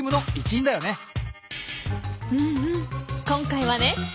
今回はね